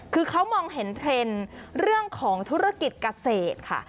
คือเขามองเห็นเทรนด์เรื่องของธุรกิจเกษตรค่ะ